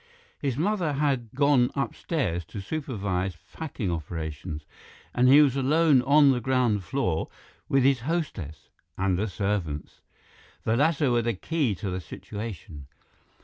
His mother had gone upstairs to supervise packing operations, and he was alone on the ground floor with his hostess—and the servants. The latter were the key to the situation.